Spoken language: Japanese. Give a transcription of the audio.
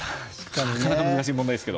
なかなか難しい問題ですが。